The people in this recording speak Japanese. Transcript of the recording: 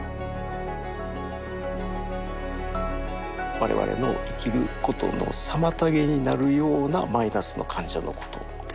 我々の生きることの妨げになるようなマイナスの感情のことです。